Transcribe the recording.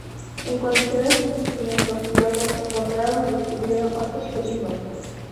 En condiciones difíciles, los pilotos encontraron y descubrieron ocho objetivos.